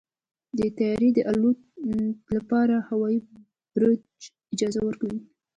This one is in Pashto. د طیارې د الوت لپاره هوايي برج اجازه ورکوي.